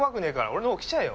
俺の方来ちゃえよ！